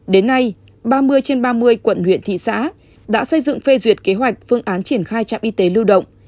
đến nay ba mươi trên ba mươi quận huyện thị xã đã xây dựng phê duyệt kế hoạch phương án triển khai trạm y tế lưu động